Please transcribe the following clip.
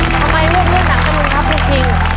ทำไมร่วมเล่นหนังตะลุงครับคุณพิง